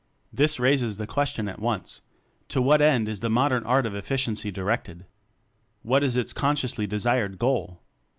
This raises the question at once: To what end is the modern Art of. Efficiency directed? What is its con sciously desired goal?